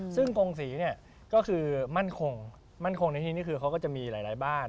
ซึ่งกงศรีมั่นคงเขาก็จะมีหลายบ้าน